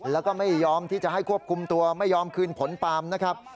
แล้วก็ไม่ยอมที่จะให้ควบคุมตัวไม่ยอมคืนผลปาล์มนะครับ